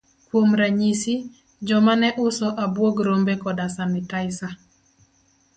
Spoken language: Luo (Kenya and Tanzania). Kuom ranyisi, joma ne uso abuog rombe koda sanitaisa.